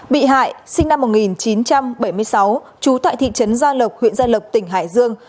bị hại sinh năm một nghìn chín trăm bảy mươi sáu trú tại thị trấn gia lộc huyện gia lộc tỉnh hải dương